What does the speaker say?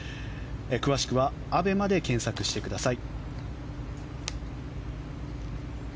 詳しくはＡＢＥＭＡで検索してください。